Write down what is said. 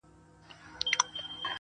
په پسته ژبه يې نه واى نازولى،